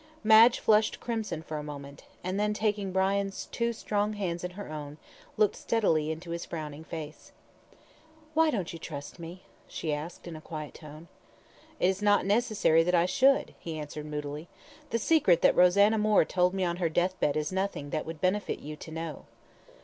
Madge flushed crimson for a moment, and then taking Brian's two strong hands in her own, looked steadily into his frowning face. "Why don't you trust me?" she asked, in a quiet tone. "It is not necessary that I should," he answered moodily. "The secret that Rosanna Moore told me on her death bed is nothing that would benefit you to know."